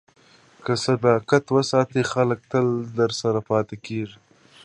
که صداقت وساتې، خلک تل درسره پاتې کېږي.